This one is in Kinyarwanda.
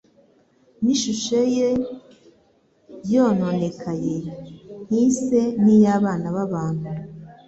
n’ishusho ye yononekaye ntise n’iy’abana b’abantu.